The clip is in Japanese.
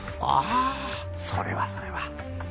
あぁそれはそれは。